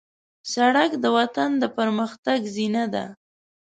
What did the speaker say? سړک د وطن د پرمختګ زینه ده.